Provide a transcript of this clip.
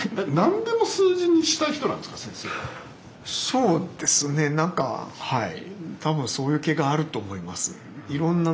そうですね何かはい。